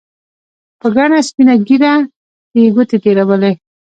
په گڼه سپينه ږيره کښې يې گوتې تېرولې.